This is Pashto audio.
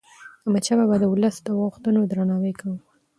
احمدشاه بابا د ولس د غوښتنو درناوی کاوه.